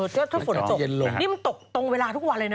เจอเท้าฝนแล้วจบนี่มันตกตรงเวลาทุกวันเลยนะ